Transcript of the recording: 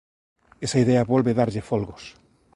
Esa idea volve darlle folgos.